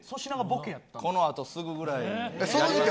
このあとすぐぐらいに。